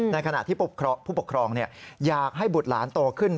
ในขณะที่ผู้ปกครองอยากให้บุตรหลานโตขึ้น